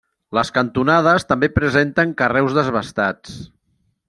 Les cantonades també presenten carreus desbastats.